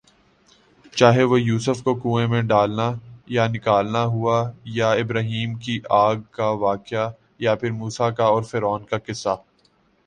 چاہے وہ یوسف ؑ کو کنویں میں ڈالنا یا نکالنا ہوا یا ابراھیمؑ کی آگ کا واقعہ یا پھر موسیؑ کا اور فرعون کا قصہ